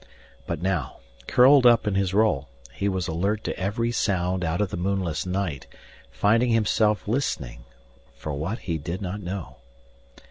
But now, curled in his roll, he was alert to every sound out of the moonless night, finding himself listening for what he did not know.